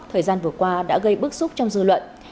thời gian vừa qua đã gây bức xúc trong dư luận